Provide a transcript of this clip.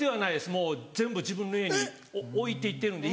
もう全部自分の家に置いて行ってるんで。